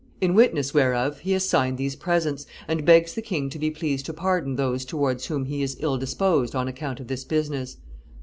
In witness whereof, he has signed these presents, and begs the king to be pleased to pardon those towards whom he is ill disposed on account of this business.